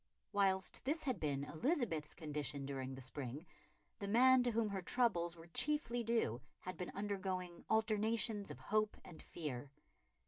Whilst this had been Elizabeth's condition during the spring, the man to whom her troubles were chiefly due had been undergoing alternations of hope and fear.